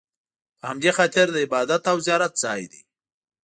په همدې خاطر د عبادت او زیارت ځای دی.